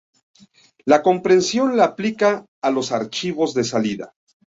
La comprensión la aplica a los archivos de salida